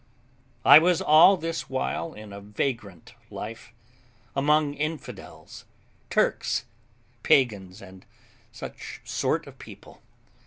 I was all this while in a vagrant life, among infidels, Turks, pagans, and such sort of people.